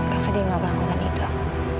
kak fadil gak melakukan itu ah